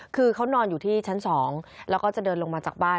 คือเขานอนอยู่ที่ชั้น๒แล้วก็จะเดินลงมาจากบ้าน